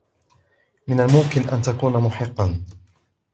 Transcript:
من الممكن أن تكون محقا.